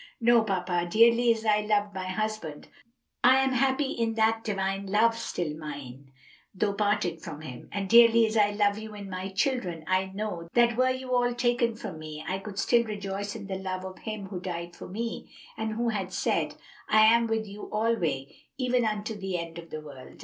"No, papa; dearly as I loved my husband, I am happy in that divine love still mine, though parted from him; and dearly as I love you and my children, I know that were you all taken from me, I could still rejoice in the love of Him who died for me, and who has said, 'I am with you alway, even unto the end of the world.'